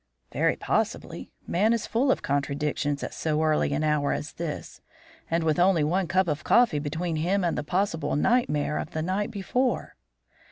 "Very possibly; man is full of contradictions at so early an hour as this, and with only one cup of coffee between him and the possible nightmare of the night before."